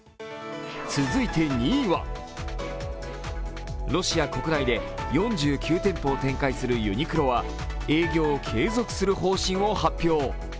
続いて２位は、ロシア国内で４９店舗を展開するユニクロは営業を継続する方針を発表。